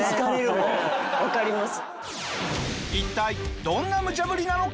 わかります。